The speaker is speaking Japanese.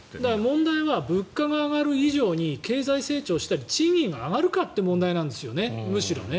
問題は物価が上がる以上に経済成長して賃金が上がるかという問題なんですよね、むしろね。